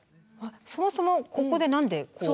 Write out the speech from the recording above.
そもそもここで何でこう。